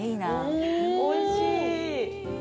おいしい。